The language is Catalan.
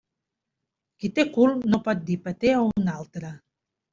Qui té cul no pot dir peter a un altre.